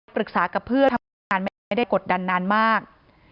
ปรึกษากับเพื่อนก็ถอดดันนานมาก